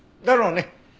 だろうね。